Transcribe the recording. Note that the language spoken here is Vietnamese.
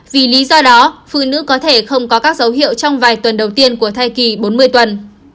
vì lý do đó phụ nữ có thể không có các dấu hiệu trong vài tuần đầu tiên của thai kỳ bốn mươi tuần